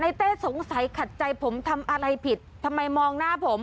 เต้สงสัยขัดใจผมทำอะไรผิดทำไมมองหน้าผม